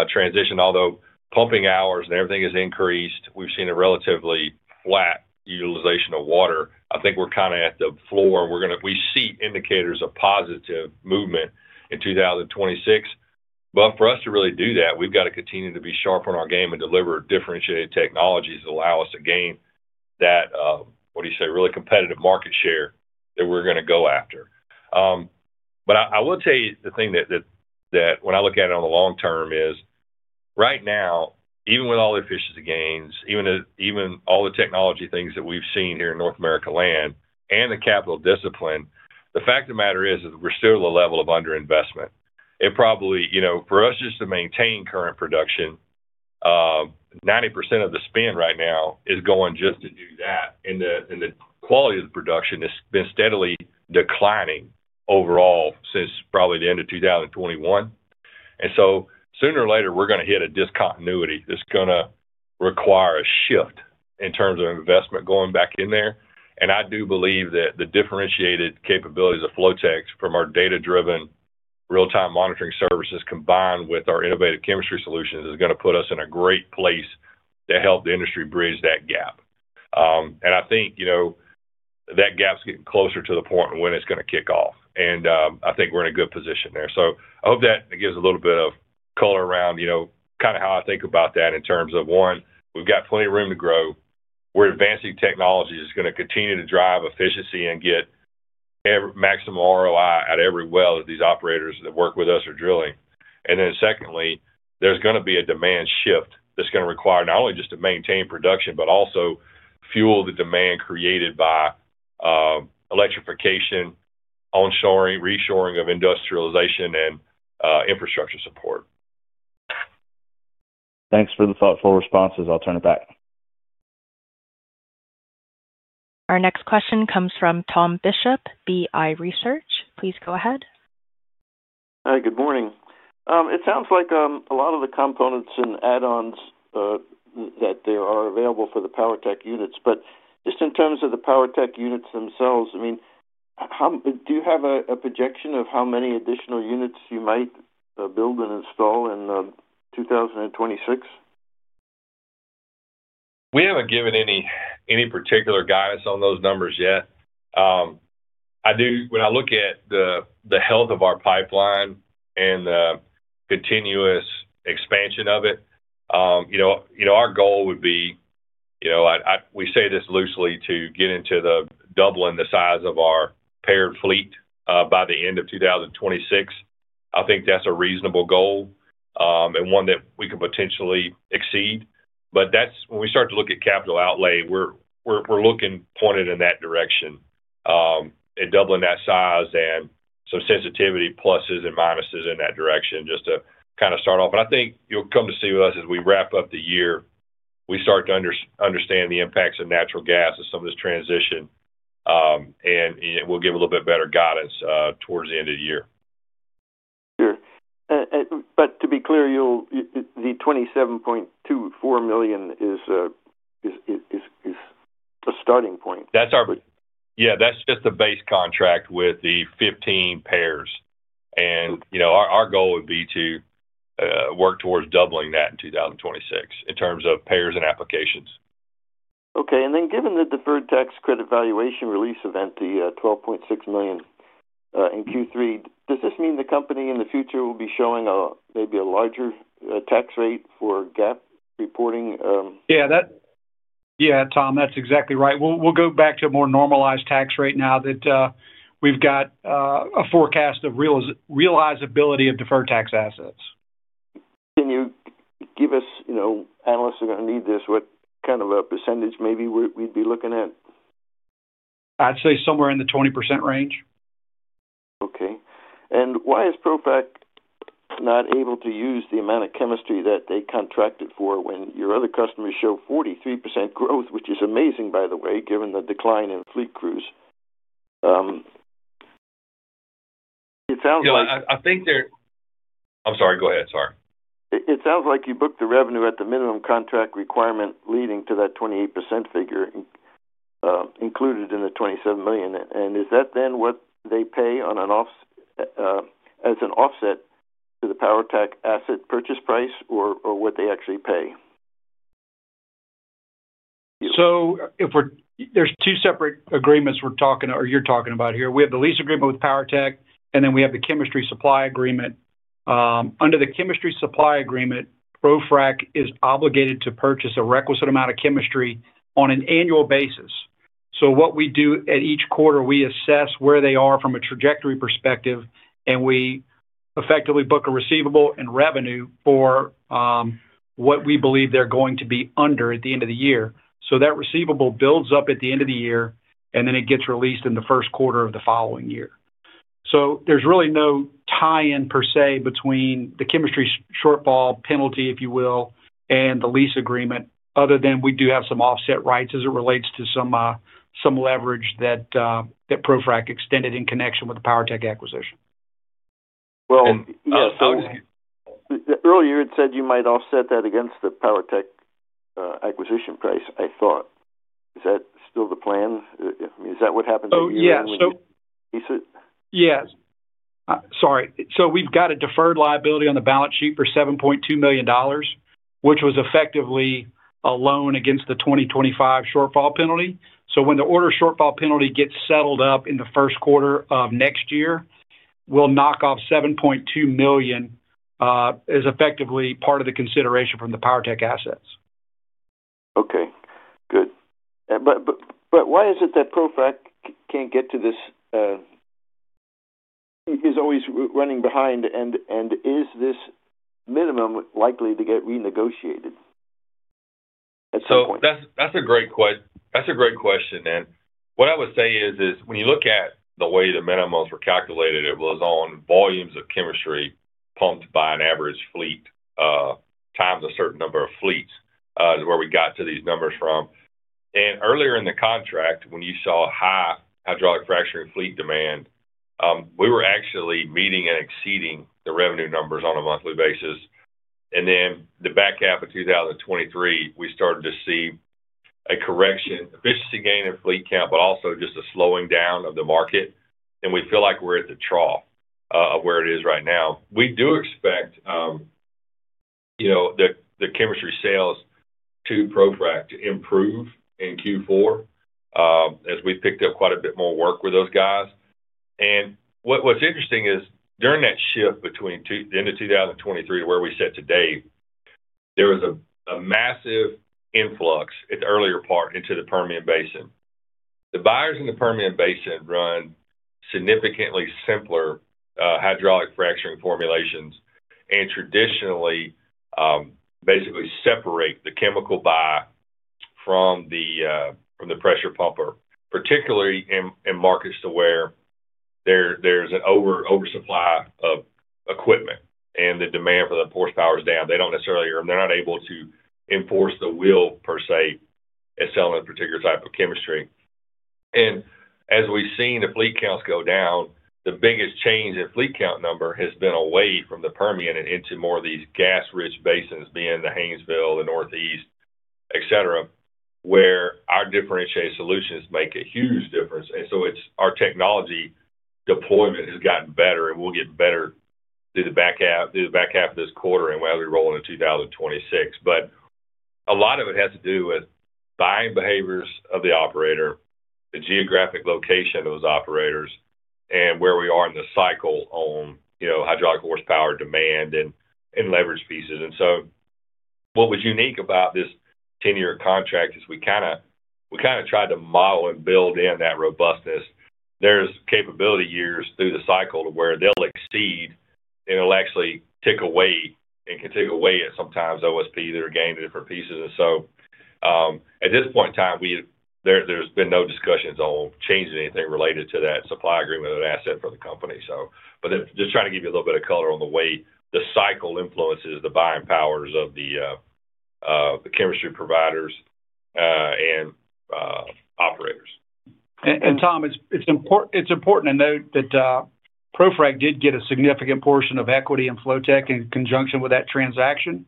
transition, although pumping hours and everything has increased, we've seen a relatively flat utilization of water. I think we're kind of at the floor. We see indicators of positive movement in 2026. For us to really do that, we've got to continue to be sharp on our game and deliver differentiated technologies that allow us to gain that, what do you say, really competitive market share that we're going to go after. I will tell you the thing that, when I look at it on the long term, is right now, even with all the efficiency gains, even all the technology things that we've seen here in North America land and the capital discipline, the fact of the matter is that we're still at a level of underinvestment. For us, just to maintain current production, 90% of the spend right now is going just to do that. The quality of the production has been steadily declining overall since probably the end of 2021. Sooner or later, we're going to hit a discontinuity that's going to require a shift in terms of investment going back in there. I do believe that the differentiated capabilities of Flotek from our data-driven real-time monitoring services combined with our innovative chemistry solutions is going to put us in a great place to help the industry bridge that gap. I think that gap's getting closer to the point when it's going to kick off. I think we're in a good position there. I hope that gives a little bit of color around kind of how I think about that in terms of, one, we've got plenty of room to grow. We're advancing technology. It's going to continue to drive efficiency and get maximum ROI at every well that these operators that work with us are drilling. There is going to be a demand shift that is going to require not only just to maintain production but also fuel the demand created by electrification, onshoring, reshoring of industrialization, and infrastructure support. Thanks for the thoughtful responses. I'll turn it back. Our next question comes from Tom Bishop, BI Research. Please go ahead. Hi. Good morning. It sounds like a lot of the components and add-ons that are available for the PWRtek units. Just in terms of the PWRtek units themselves, I mean, do you have a projection of how many additional units you might build and install in 2026? We have not given any particular guidance on those numbers yet. When I look at the health of our pipeline and the continuous expansion of it, our goal would be. We say this loosely to get into doubling the size of our paired fleet by the end of 2026. I think that's a reasonable goal and one that we could potentially exceed. When we start to look at capital outlay, we're looking pointed in that direction. Doubling that size and some sensitivity pluses and minuses in that direction just to kind of start off. I think you'll come to see with us as we wrap up the year, we start to understand the impacts of natural gas and some of this transition. We'll give a little bit better guidance towards the end of the year. Sure. To be clear, the $27.24 million is a starting point. Yeah. That's just the base contract with the 15 pairs. Our goal would be to work towards doubling that in 2026 in terms of pairs and applications. Okay. Given the deferred tax credit valuation release event, the $12.6 million in Q3, does this mean the company in the future will be showing maybe a larger tax rate for GAAP reporting? Yeah. Yeah, Tom, that's exactly right. We'll go back to a more normalized tax rate now that we've got a forecast of realizability of deferred tax assets. Can you give us, analysts are going to need this, what kind of a percentage maybe we'd be looking at? I'd say somewhere in the 20% range. Okay. And why is ProFrac not able to use the amount of chemistry that they contracted for when your other customers show 43% growth, which is amazing, by the way, given the decline in fleet crews? It sounds like. Yeah. I think they're. I'm sorry. Go ahead. Sorry. It sounds like you booked the revenue at the minimum contract requirement leading to that 28% figure. Included in the $27 million. And is that then what they pay. As an offset to the PWRtek asset purchase price or what they actually pay? So there's two separate agreements we're talking or you're talking about here. We have the lease agreement with PWRtek, and then we have the chemistry supply agreement. Under the chemistry supply agreement, ProFrac is obligated to purchase a requisite amount of chemistry on an annual basis. So what we do at each quarter, we assess where they are from a trajectory perspective, and we effectively book a receivable and revenue for. What we believe they're going to be under at the end of the year. That receivable builds up at the end of the year, and then it gets released in the first quarter of the following year. There is really no tie-in per se between the chemistry shortfall penalty, if you will, and the lease agreement, other than we do have some offset rights as it relates to some leverage that ProFrac extended in connection with the PWRtek acquisition. Earlier, you had said you might offset that against the PWRtek acquisition price, I thought. Is that still the plan? I mean, is that what happened when you released it? Yes. Sorry. We have got a deferred liability on the balance sheet for $7.2 million, which was effectively a loan against the 2025 shortfall penalty. When the order shortfall penalty gets settled up in the first quarter of next year, we will knock off $7.2 million. As effectively part of the consideration from the PWRtek assets. Okay. Good. Why is it that ProFrac can't get to this? He's always running behind. Is this minimum likely to get renegotiated at some point? That's a great question. What I would say is, when you look at the way the minimums were calculated, it was on volumes of chemistry pumped by an average fleet. Times a certain number of fleets is where we got to these numbers from. Earlier in the contract, when you saw high hydraulic fracturing fleet demand, we were actually meeting and exceeding the revenue numbers on a monthly basis. In the back half of 2023, we started to see a correction, efficiency gain in fleet count, but also just a slowing down of the market. We feel like we're at the trough of where it is right now. We do expect the chemistry sales to ProFrac to improve in Q4. As we picked up quite a bit more work with those guys. What's interesting is during that shift between the end of 2023 to where we sit today, there was a massive influx at the earlier part into the Permian Basin. The buyers in the Permian Basin run significantly simpler hydraulic fracturing formulations and traditionally basically separate the chemical buy from the pressure pumper, particularly in markets where there's an oversupply of equipment and the demand for the horsepower is down. They don't necessarily or they're not able to enforce the will, per se, as selling a particular type of chemistry. As we've seen the fleet counts go down, the biggest change in fleet count number has been away from the Permian and into more of these gas-rich basins, being the Hanesville, the Northeast, etc., where our differentiated solutions make a huge difference. Our technology deployment has gotten better, and we'll get better through the back half of this quarter and when we roll into 2026. A lot of it has to do with buying behaviors of the operator, the geographic location of those operators, and where we are in the cycle on hydraulic horsepower demand and leverage pieces. What was unique about this 10-year contract is we kind of tried to model and build in that robustness. There's capability years through the cycle to where they'll exceed and it'll actually tick away and can tick away at sometimes OSP that are gained at different pieces. At this point in time, there's been no discussions on changing anything related to that supply agreement or that asset for the company. Just trying to give you a little bit of color on the way the cycle influences the buying powers of the chemistry providers and operators. Tom, it's important to note that ProFrac did get a significant portion of equity in Flotek in conjunction with that transaction.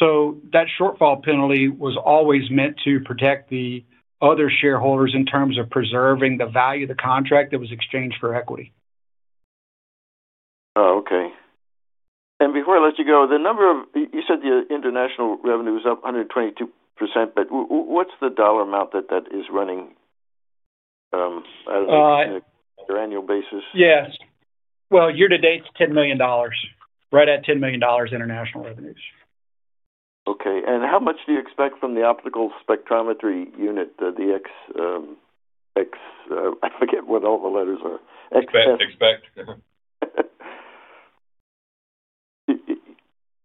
That shortfall penalty was always meant to protect the other shareholders in terms of preserving the value of the contract that was exchanged for equity. Oh, okay. Before I let you go, you said the international revenue was up 122%, but what's the dollar amount that that is running on an annual basis? Yes. Year to date, it's $10 million. Right at $10 million international revenues. Okay. How much do you expect from the optical spectrometry unit, the X—I forget what all the letters are. XSPCT. XSPCT.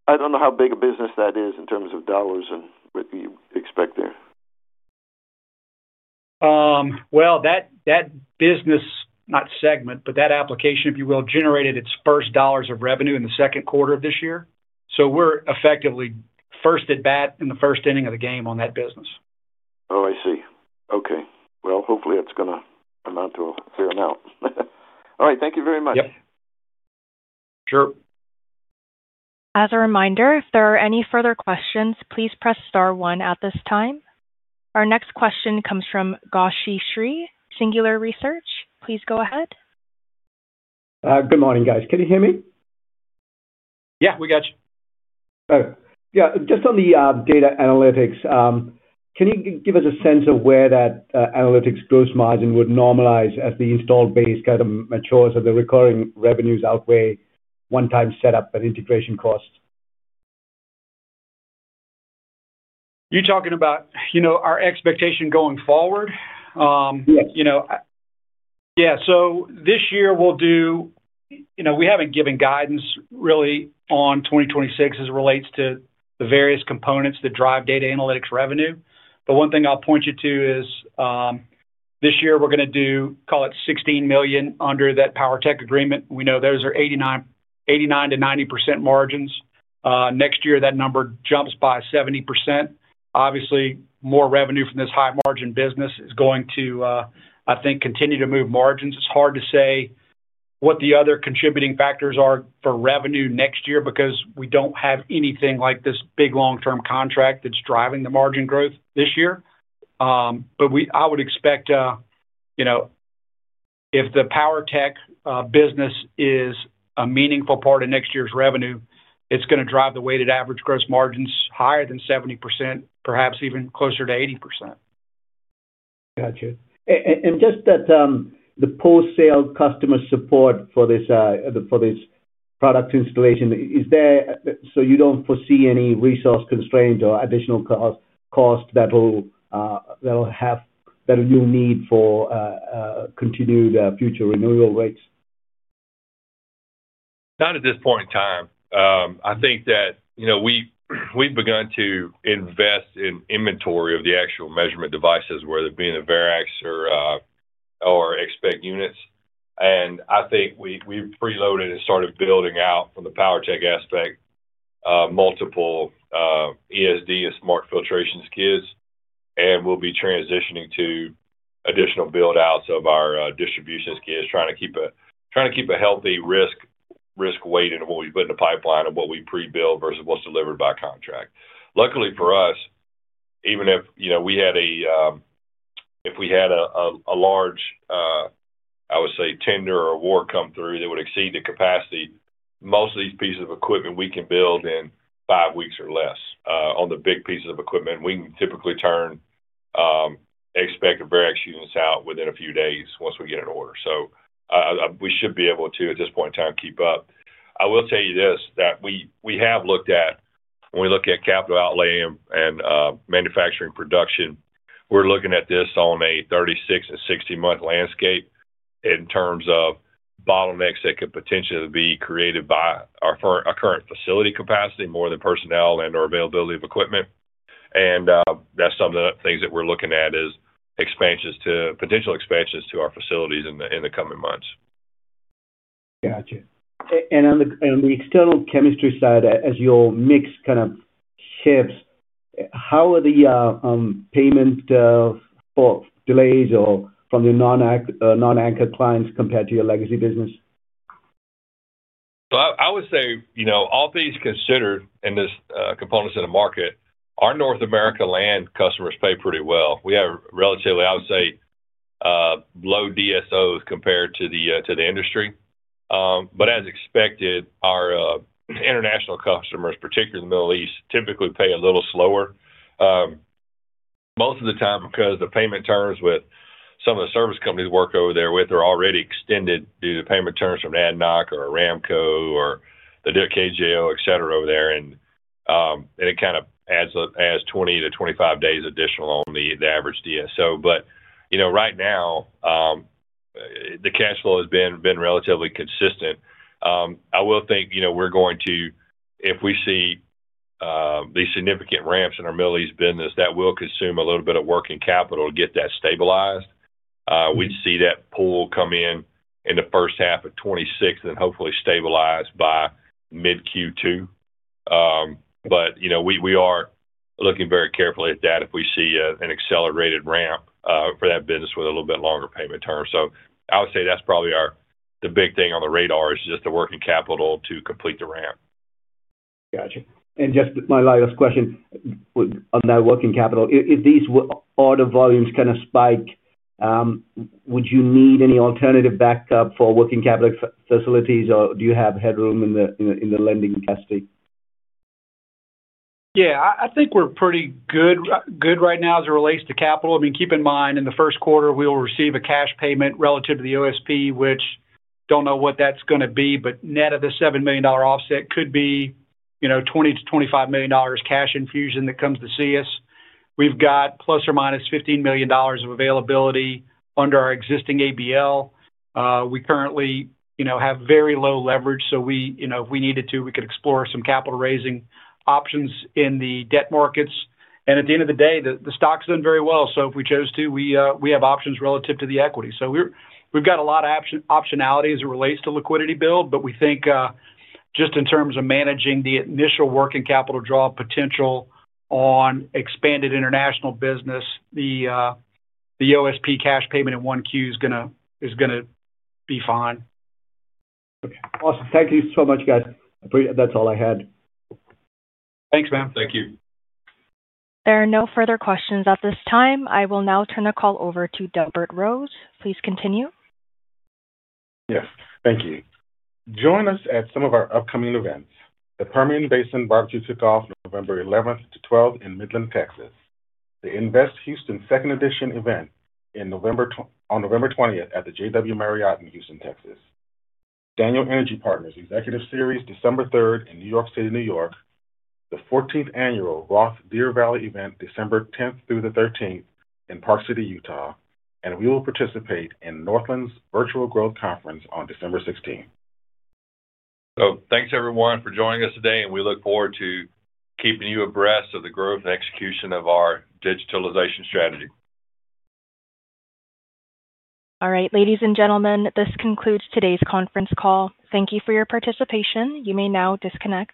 I don't know how big a business that is in terms of dollars and what you expect there. That business, not segment, but that application, if you will, generated its first dollars of revenue in the second quarter of this year. We're effectively first at bat in the first inning of the game on that business. Oh, I see. Okay. Hopefully, it's going to amount to a fair amount. All right. Thank you very much. Yep. Sure. As a reminder, if there are any further questions, please press star one at this time. Our next question comes from Gashi Sri, Singular Research. Please go ahead. Good morning, guys. Can you hear me? Yeah. We got you. Oh. Yeah. Just on the data analytics, can you give us a sense of where that analytics gross margin would normalize as the installed base kind of matures and the recurring revenues outweigh one-time setup and integration costs? You're talking about our expectation going forward? Yes. Yeah. So this year, we'll do. We haven't given guidance, really, on 2026 as it relates to the various components that drive data analytics revenue. But one thing I'll point you to is. This year, we're going to do, call it $16 million under that PWRtek agreement. We know those are 89%-90% margins. Next year, that number jumps by 70%. Obviously, more revenue from this high-margin business is going to, I think, continue to move margins. It's hard to say what the other contributing factors are for revenue next year because we don't have anything like this big long-term contract that's driving the margin growth this year. I would expect if the PWRtek business is a meaningful part of next year's revenue, it's going to drive the weighted average gross margins higher than 70%, perhaps even closer to 80%. Got it. Just the post-sale customer support for this product installation is there, so you don't foresee any resource constraints or additional costs that you'll need for continued future renewal rates? Not at this point in time. I think that we've begun to invest in inventory of the actual measurement devices, whether it be in the Verax or XSPCT units. I think we've preloaded and started building out from the PWRtek aspect. Multiple ESD and Smart Filtration skids, and we'll be transitioning to additional build-outs of our distribution skids, trying to keep a healthy risk weight into what we put in the pipeline and what we prebuild versus what's delivered by contract. Luckily for us, even if we had a large, I would say, tender or award come through that would exceed the capacity, most of these pieces of equipment we can build in five weeks or less. On the big pieces of equipment, we can typically turn expected Verax units out within a few days once we get an order. We should be able to, at this point in time, keep up. I will tell you this: we have looked at, when we look at capital outlay and manufacturing production, we're looking at this on a 36 and 60-month landscape in terms of bottlenecks that could potentially be created by our current facility capacity, more than personnel and/or availability of equipment. That is some of the things that we're looking at is potential expansions to our facilities in the coming months. Got it. On the external chemistry side, as your mix kind of shifts, how are the payments for delays or from the non-Anchor clients compared to your legacy business? I would say, all things considered in this components of the market, our North America land customers pay pretty well. We have relatively, I would say, low DSOs compared to the industry. As expected, our international customers, particularly in the Middle East, typically pay a little slower. Most of the time because the payment terms with some of the service companies we work over there with are already extended due to payment terms from ADNOC or Aramco or the KJO, et cetera., over there. It kind of adds 20-25 days additional on the average DSO. Right now, the cash flow has been relatively consistent. I will think we're going to, if we see these significant ramps in our Middle East business, that will consume a little bit of working capital to get that stabilized. We'd see that pool come in in the first half of 2026 and hopefully stabilize by mid-Q2. We are looking very carefully at that if we see an accelerated ramp for that business with a little bit longer payment term. I would say that's probably the big thing on the radar is just the working capital to complete the ramp. Got it. Just my last question. On that working capital, if these order volumes kind of spike, would you need any alternative backup for working capital facilities, or do you have headroom in the lending capacity? Yeah. I think we're pretty good right now as it relates to capital. I mean, keep in mind, in the first quarter, we will receive a cash payment relative to the OSP, which I don't know what that's going to be, but net of the $7 million offset could be $20 million-$25 million cash infusion that comes to see us. We've got plus or minus $15 million of availability under our existing ABL. We currently have very low leverage, so if we needed to, we could explore some capital raising options in the debt markets. At the end of the day, the stock's done very well. If we chose to, we have options relative to the equity. We have a lot of optionality as it relates to liquidity build, but we think just in terms of managing the initial working capital draw potential on expanded international business, the OSP cash payment in 1Q is going to be fine. Okay. Awesome. Thank you so much, guys. That's all I had. Thanks, man. Thank you. There are no further questions at this time. I will now turn the call over to Delbert Rose. Please continue. Yes. Thank you. Join us at some of our upcoming events. The Permian Basin BBQ Cook-Off, November 11th to 12th in Midland, Texas. The Invest Houston 2nd Edition Event on November 20th at the JW Marriott in Houston, Texas. Daniel Energy Partners Executive Series, December 3rd in New York City, New York. The 14th Annual Roth Deer Valley Event, December 10th through the 13th in Park City, Utah. We will participate in Northland's Virtual Growth Conference on December 16th. Thank you, everyone, for joining us today, and we look forward to keeping you abreast of the growth and execution of our digitalization strategy. Ladies and gentlemen, this concludes today's conference call. Thank you for your participation. You may now disconnect.